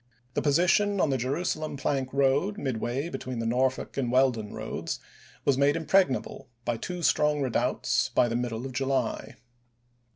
The position on the Jerusalem plank road, midway between the Nor folk and Weldon railroads, was made impregnable by two strong redoubts by the middle of July.